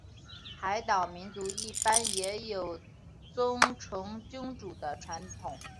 海岛民族一般也有尊崇君主的传统。